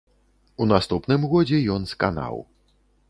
У наступным годзе ён сканаў.